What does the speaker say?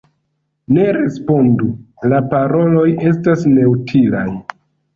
Ne respondu: la paroloj estas neutilaj.